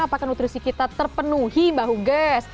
apakah nutrisi kita terpenuhi mbak hugas